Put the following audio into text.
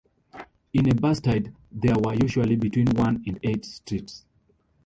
In a bastide there were usually between one and eight streets.